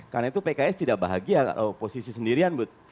karena itu pks tidak bahagia dengan oposisi sendirian bu